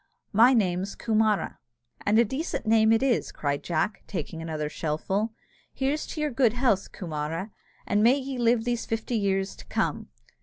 My name's Coomara." "And a mighty decent name it is," cried Jack, taking another shellfull: "here's to your good health, Coomara, and may ye live these fifty years to come!"